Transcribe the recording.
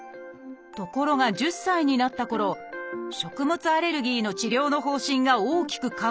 ところが１０歳になったころ食物アレルギーの治療の方針が大きく変わりました。